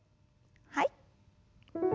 はい。